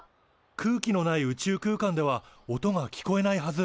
空気のない宇宙空間では音が聞こえないはず。